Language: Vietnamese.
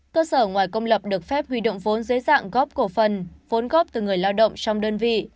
cơ sở ngoài công lập được phép huy động vốn dưới dạng góp cổ phần vốn góp từ người lao động trong đơn vị